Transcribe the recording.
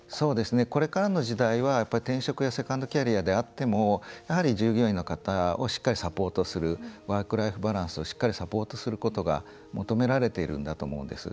これからの時代は、転職やセカンドキャリアであっても従業員の方をしっかりサポートするワークライフバランスをしっかりサポートすることが求められていると思うんです。